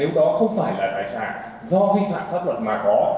nếu đó không phải là tài sản do vi phạm pháp luật mà có